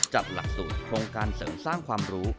หลักสูตรโครงการเสริมสร้างความรู้